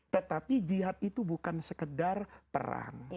tetapi jihad itu bukan sekedar perang